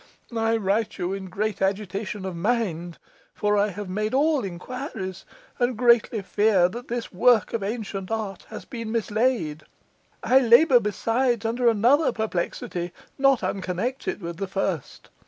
I write you in great agitation of mind; for I have made all enquiries, and greatly fear that this work of ancient art has been mislaid. I labour besides under another perplexity, not unconnected with the first.